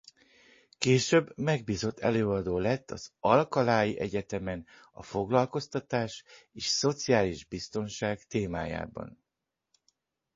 Később megbízott előadó lett az Alcalái Egyetemen a foglalkoztatás és szociális biztonság témájában.